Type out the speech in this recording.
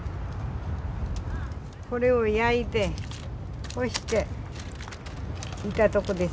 これを焼いて干していたとこです。